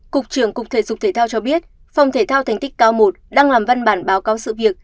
cục trưởng cục thể dục thể thao cho biết phòng thể thao thành tích cao một đang làm văn bản báo cáo sự việc